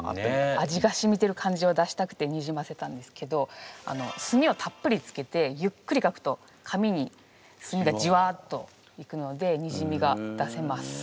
味がしみてる感じを出したくてにじませたんですけど墨をたっぷりつけてゆっくり書くと紙に墨がじわっといくのでにじみが出せます。